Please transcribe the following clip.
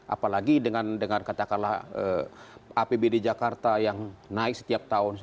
apalagi dengan katakanlah apbd jakarta yang naik setiap tahun